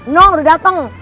no udah dateng